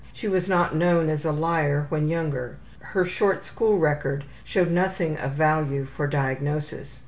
She was not known as a liar when younger. Her short school record showed nothing of value for diagnosis.